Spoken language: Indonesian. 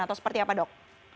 atau seperti apa dok